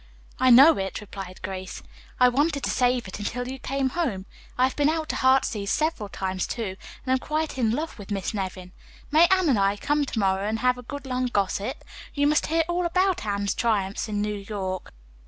"I know it," replied Grace, "I wanted to save it until you came home. I have been out to 'Heartsease' several times, too, and am quite in love with Miss Nevin. May Anne and I come to morrow and have a good long gossip? You must hear all about Anne's triumphs in New York."